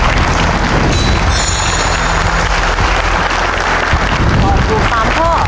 รับทุน๓ข้อ